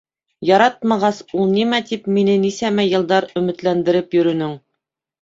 Яратмағас, ул нимә тип мине нисәмә йылдар өмөтләндереп йөрөнөң?!